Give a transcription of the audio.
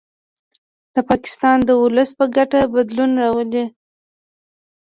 د پاکستان د ولس په ګټه بدلون راولي